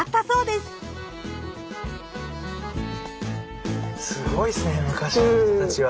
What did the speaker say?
すごいですね昔の人たちは。